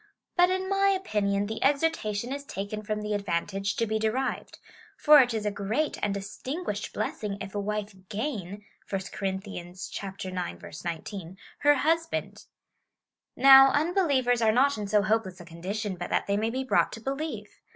But, in my opinion, the exhortation is taken from the advantage to be derived ; for it is a great and distinguished blessing if a wife gain (1 Cor. ix. 19) her husband. Now, unbelievers are not in so hopeless a condition but that they may be brought to believe.